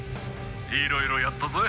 いろいろやったぜ。